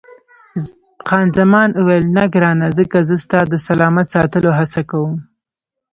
خان زمان وویل، نه ګرانه، ځکه زه ستا د سلامت ساتلو هڅه کوم.